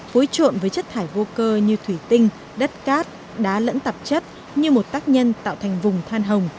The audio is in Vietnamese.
vối trộn với chất thải vô cơ như thủy tinh đất cát đá lẫn tạp chất như một tác nhân tạo thành vùng than hồng